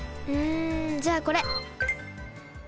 うんじゃあこれ。